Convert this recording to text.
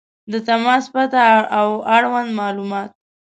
• د تماس پته او اړوند معلومات